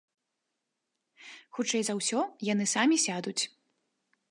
Хутчэй за ўсё, яны самі сядуць.